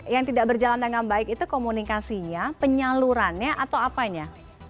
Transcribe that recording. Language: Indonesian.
yang tidak berjalan dengan baik itu komunikasinya penyalurannya atau apanya